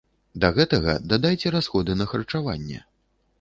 Да гэтага дадайце расходы на харчаванне.